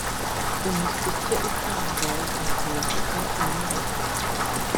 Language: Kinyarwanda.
umuseke utangaza nkivuga imyato